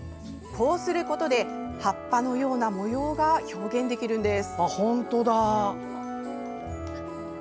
こうすることで葉っぱのような模様が表現できるんです。